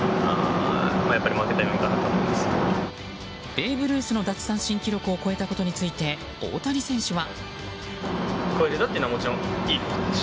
ベーブ・ルースの奪三振記録を超えたことについて大谷選手は。